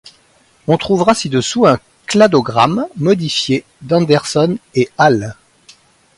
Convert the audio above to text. On trouvera ci-dessous un cladogramme modifié d'Anderson et al.